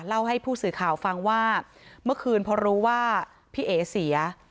เล่าให้ผู้สื่อข่าวฟังว่าเมื่อคืนพอรู้ว่าพี่เอ๋เสีย